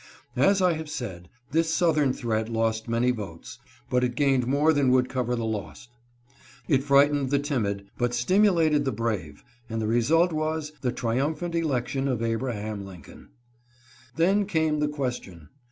As I have said, this southern threat lost many votes, but it gained more than would cover the lost. It fright ened the timid, but stimulated the brave ; and the result was — the triumphant election of Abraham Lincoln. Then came the question.